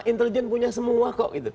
intelijen punya semua kok